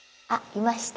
いました。